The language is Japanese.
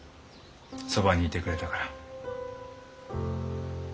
そばにいてくれたから。